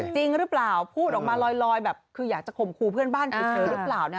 จริงหรือเปล่าพูดออกมาลอยแบบคืออยากจะข่มครูเพื่อนบ้านเฉยหรือเปล่านะ